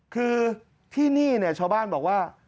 คือที่นี่ชาวบ้านบอกว่า